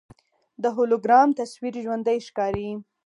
د هولوګرام تصویر ژوندی ښکاري.